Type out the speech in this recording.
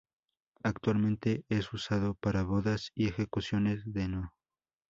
Actualmente es usado para bodas y ejecuciones de nō.